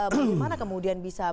bagaimana kemudian bisa